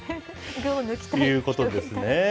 ということですね。